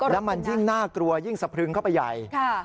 แล้วมันยิ่งน่ากลัวยิ่งสะพรึงเข้าไปใหญ่